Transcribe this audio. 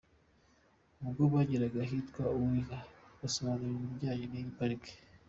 Ubwo bageraga ahitwa Uwinka, basobanurirwa ibijyanye n’iyi pariki.